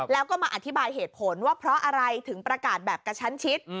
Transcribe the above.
แล้วก็มาอธิบายเหตุผลว่าเพราะอะไรถึงประกาศแบบกระชั้นชิด